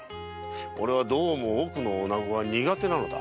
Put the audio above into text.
俺はどうも奥の女子が苦手なのだ。